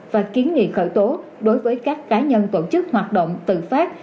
và kiến nghị khởi tố đối với các cá nhân tổ chức hoạt động tự phát